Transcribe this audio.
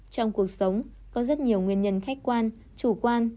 trong cuộc sống có rất nhiều nguyên nhân khách quan chủ quan